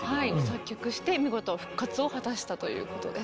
作曲して見事復活を果たしたということです。